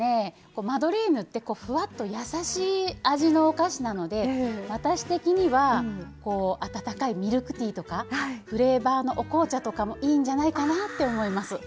マドレーヌってふわっとやさしい味のお菓子なので私的には温かいミルクティーとかフレーバーのお紅茶とかもいいんじゃないかなと思います。